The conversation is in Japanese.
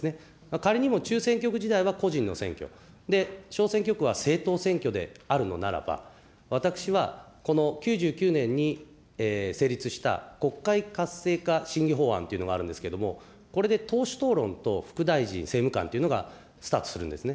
仮にも中選挙区時代は個人の選挙、小選挙区は政党選挙であるのならば、私は、この９９年に成立した国会活性化審議法案というのがあるんですけれども、これで党首討論と副大臣、政務官というのがスタートするんですね。